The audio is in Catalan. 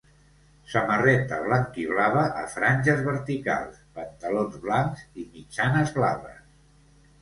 Samarreta blanc-i-blava a franges verticals, pantalons blancs i mitjanes blaves.